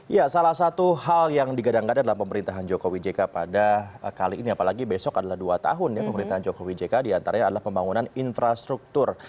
ya salah satu hal yang digadang gadang dalam pemerintahan jokowi jk pada kali ini apalagi besok adalah dua tahun ya pemerintahan jokowi jk diantaranya adalah pembangunan infrastruktur